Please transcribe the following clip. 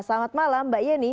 selamat malam mbak yeni